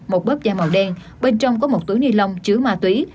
một bếp da màu đen bên trong có một túi ni lông chứa ma túy